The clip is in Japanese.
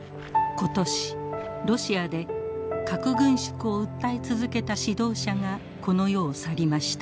ことしロシアで核軍縮を訴え続けた指導者がこの世を去りました。